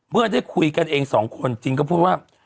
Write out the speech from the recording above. เมื่อได้คุยกันเองสองคนจริงก็พูดว่า